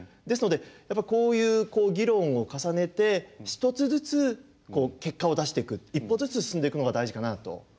ですのでこういう議論を重ねて一つずつ結果を出していく一歩ずつ進んでいくのが大事かなと。